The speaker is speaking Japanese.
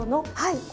はい。